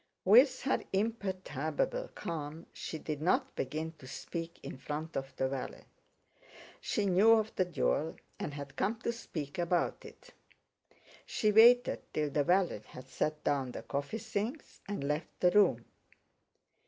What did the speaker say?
With her imperturbable calm she did not begin to speak in front of the valet. She knew of the duel and had come to speak about it. She waited till the valet had set down the coffee things and left the room.